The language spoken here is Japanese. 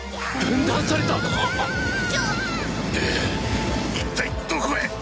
ぬっ一体どこへ？